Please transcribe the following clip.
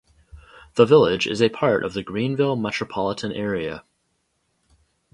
The village is a part of the Greenville Metropolitan Area.